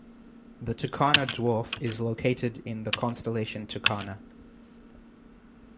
The Tucana Dwarf is located in the constellation Tucana.